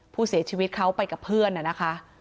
ผู้เสียชีวิตเขาไปกับเพื่อนนะคะ